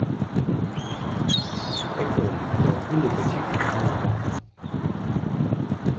Eccolo lì, tranquillo e pacifico come un papa!